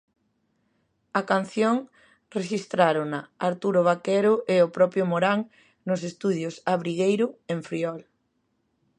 A canción rexistrárona Arturo Vaquero e o propio Morán nos estudios Abrigueiro, en Friol.